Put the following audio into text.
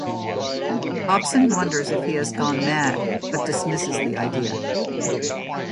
Hobson wonders if he has gone mad, but dismisses the idea.